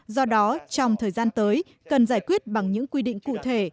do đó trong thời gian tới cần giải quyết bằng những quy định cụ thể